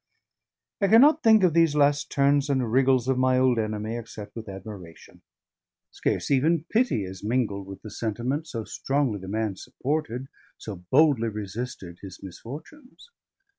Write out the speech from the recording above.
I cannot think of these last turns and wriggles of my old enemy, except with admiration; scarce even pity is mingled with the sentiment, so strongly the man supported, so boldly resisted his misfortunes.